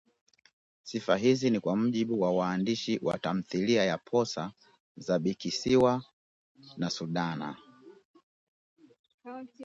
Sifa hizi ni kwa mujibu wa waandishi wa tamthilia ya Posa za Bikisiwa na Sudana